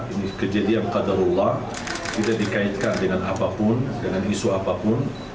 ini kejadian kaderullah tidak dikaitkan dengan apapun dengan isu apapun